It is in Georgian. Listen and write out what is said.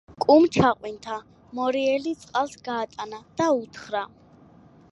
კუმ ჩაყვინთა, მორიელი წყალს გაატანა და უთხრა: